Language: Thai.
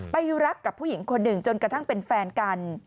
ไปรักกับผู้หญิงคนหนึ่งจนกระทั่งเป็นแฟนกัน